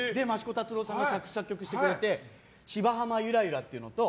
作詞作曲してくれて「芝浜ゆらゆら」っていうのと